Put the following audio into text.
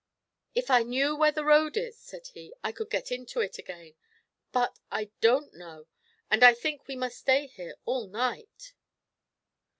"If I knew where the road is," said he, "I could get into it again. But I don't know; and I think we must stay here all night."